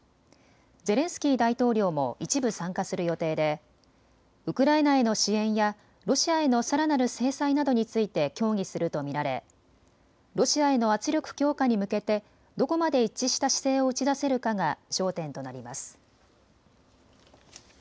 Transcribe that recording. ゼレンスキー大統領も一部、参加する予定でウクライナへの支援やロシアへのさらなる制裁などについて協議すると見られロシアへの圧力強化に向けてどこまで一致した姿勢を打ち出せるかが焦点となります。